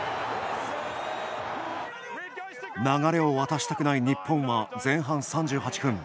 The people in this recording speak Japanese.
流れを渡したくない日本は前半３８分。